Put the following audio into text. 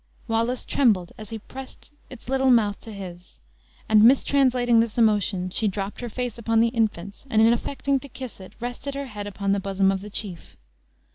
Wallace trembled as he pressed its little mouth to his; and, mistranslating this emotion, she dropped her face upon the infant's, and in affecting to kiss it, rested her head upon the bosom of the chief.